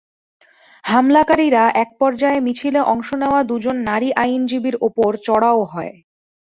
হামলাকারীরা একপর্যায়ে মিছিলে অংশ নেওয়া দুজন নারী আইনজীবীর ওপর চড়াও হয়।